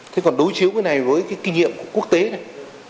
thế còn đối chiếu cái này với cái kinh nghiệm của quốc tế này